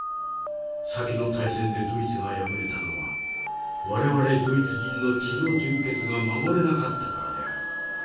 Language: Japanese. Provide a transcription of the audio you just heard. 先の大戦でドイツが敗れたのは我々ドイツ人の血の純血が守れなかったからである。